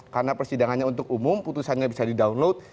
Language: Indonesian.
karena persidangannya untuk umum putusannya bisa di download